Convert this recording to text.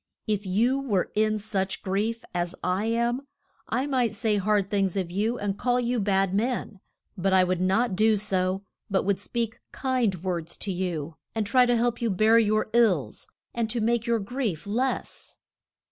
If you were in such grief as I am, I might say hard things of you and call you bad men. But I would not do so; but would speak kind words to you, and try to help you bear your ills, and to make your grief less.